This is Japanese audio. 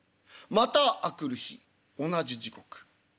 また明くる日同じ時刻。